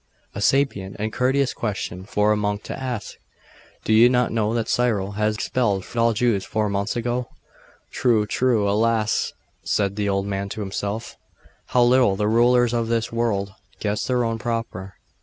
'A sapient and courteous question for a monk to ask! Do you not know that Cyril has expelled all Jews four months ago?' 'True, true.... Alas!' said the old man to himself, 'how little the rulers of this world guess their own power!